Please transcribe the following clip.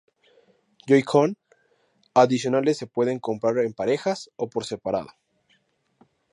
Joy-Con adicionales se pueden comprar en parejas o por separado.